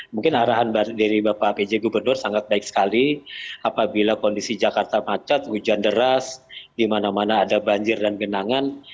mungkin arahan dari bapak pj gubernur sangat baik sekali apabila kondisi jakarta macet hujan deras di mana mana ada banjir dan genangan